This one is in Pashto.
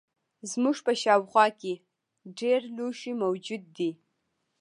زموږ په شاوخوا کې ډیر لوښي موجود دي.